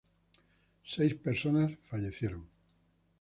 Seis personas fallecieron.